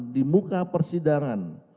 di muka persidangan